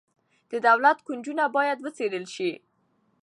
د دولت کونجونه باید وڅیړل شي.